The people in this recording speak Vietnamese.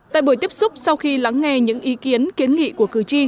tại buổi tiếp xúc sau khi lắng nghe những ý kiến kiến nghị của cử tri